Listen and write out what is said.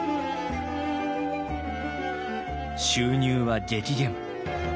収入は激減。